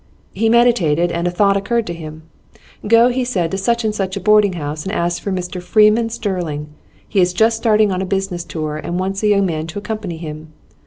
He meditated, and a thought occurred to him. "Go," he said, "to such and such a boarding house, and ask for Mr Freeman Sterling. He is just starting on a business tour, and wants a young man to accompany him."